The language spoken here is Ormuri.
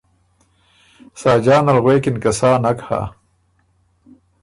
ساجان ال غوېکِن که سا نک هۀ۔